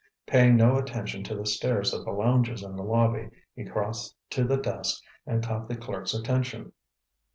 Paying no attention to the stares of the loungers in the lobby he crossed to the desk and caught the clerk's attention.